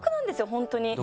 本当に。